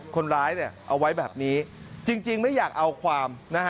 คนร้ายเอาไว้แบบนี้จริงไม่อยากเอาความนะฮะ